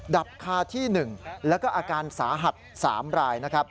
ดับคาที่๑แล้วก็อาการสาหัส๓ราย